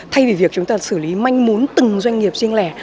thay vì việc chúng ta xử lý manh muốn từng doanh nghiệp riêng lẻ